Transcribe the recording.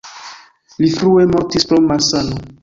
Li frue mortis pro malsano.